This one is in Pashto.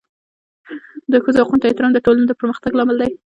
د ښځو حقونو ته احترام د ټولنې د پرمختګ لامل دی.